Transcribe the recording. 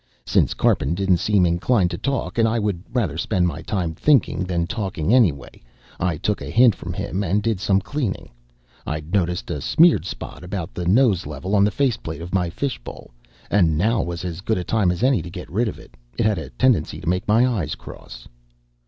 Since Karpin didn't seem inclined to talk, and I would rather spend my time thinking than talking anyway, I took a hint from him and did some cleaning. I'd noticed a smeared spot about nose level on the faceplate of my fishbowl, and now was as good a time as any to get rid of it. It had a tendency to make my eyes cross.